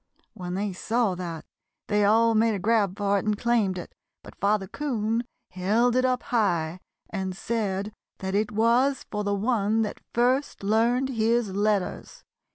When they saw that they all made a grab for it and claimed it, but Father 'Coon held it up high and said that it was for the one that first learned his letters.